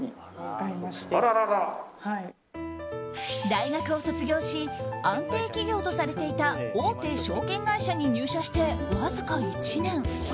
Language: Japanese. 大学を卒業し安定企業とされていた大手証券会社に入社してわずか１年。